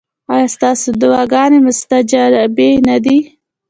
ایا ستاسو دعاګانې مستجابې نه دي؟